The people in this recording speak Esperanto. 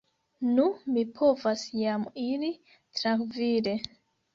Nu, mi povas jam iri trankvile!